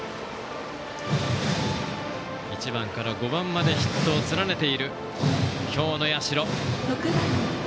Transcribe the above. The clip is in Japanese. １番から５番までヒットを連ねている、今日の社。